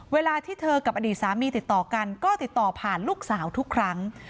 เวลาที่เธอกับอดีตสามีติดต่อกันก็ติดต่อผ่านลูกสาวทุกครั้ง